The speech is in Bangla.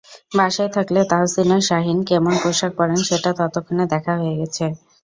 বাসায় থাকলে তাহসীনা শাহীন কেমন পোশাক পরেন সেটা ততক্ষণে দেখা হয়ে গেছে।